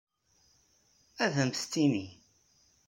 Ad am-t-tini.